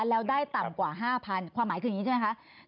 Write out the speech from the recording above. แล้วได้ต่ำกว่า๕๐๐ความหมายคืออย่างนี้ใช่ไหมคะ